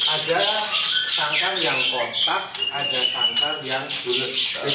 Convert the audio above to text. ada tangkan yang kotak ada tangkan yang bulet